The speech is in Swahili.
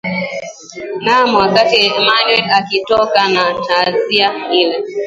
naam wakati emmanuel akitoka na tanzia ile